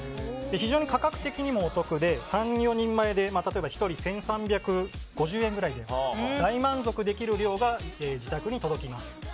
非常に価格的にもお得で３４人前で例えば、１人１３５０円ぐらいで大満足できる量が自宅に届きます。